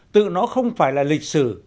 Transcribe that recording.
tự nó không phải là lịch sử